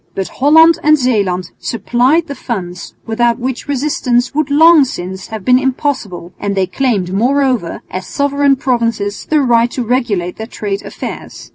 But Holland and Zeeland supplied the funds without which resistance would long since have been impossible, and they claimed moreover, as sovereign provinces, the right to regulate their trade affairs.